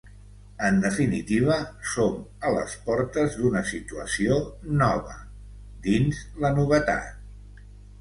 En definitiva, som a les portes d’una situació nova, dins la novetat.